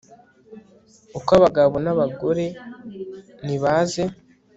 uko abagabo nabagore ni baze